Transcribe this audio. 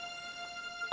aku juga ter